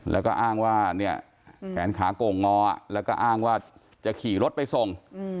แล้วก็อ้างว่าเนี่ยแขนขาโก่งงอแล้วก็อ้างว่าจะขี่รถไปส่ง